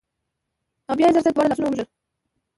او بيا يې زر زر دواړه لاسونه ومږل